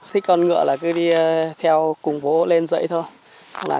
thích con ngựa là cứ đi theo cùng bố lên dậy thôi